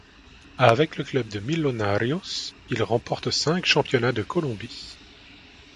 Avec le club de Millonarios, il remporte cinq championnats de Colombie.